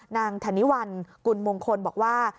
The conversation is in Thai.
นางธนิวัลกุลมงคลบอกว่า